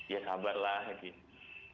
ya sabarlah gitu